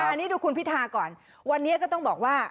อันนี้ดูคุณพิธาก่อนวันนี้ก็ต้องบอกว่า